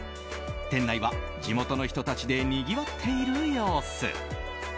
店内は地元の人たちでにぎわっている様子。